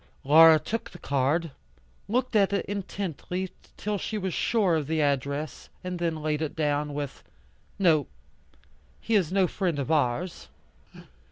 Laura took the card, looked at it intently till she was sure of the address, and then laid it down, with, "No, he is no friend of ours."